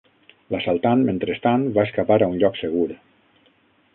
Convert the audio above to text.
L'assaltant, mentrestant, va escapar a un lloc segur.